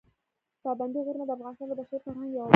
پابندي غرونه د افغانستان د بشري فرهنګ یوه برخه ده.